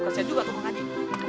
kasian juga tuh pak aji